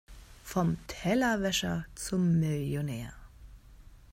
Vom Tellerwäscher zum Millionär.